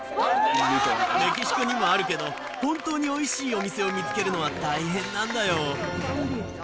メキシコにもあるけど、本当においしいお店を見つけるのは大変なんだよ。